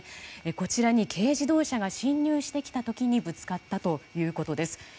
こちらに軽自動車が進入してきた時にぶつかったということです。